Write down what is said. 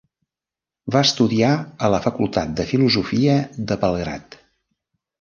Va estudiar a la Facultat de Filosofia de Belgrad.